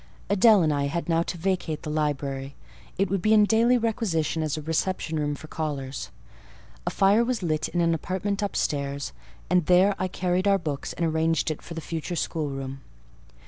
Adèle and I had now to vacate the library: it would be in daily requisition as a reception room for callers. A fire was lit in an apartment upstairs, and there I carried our books, and arranged it for the future schoolroom.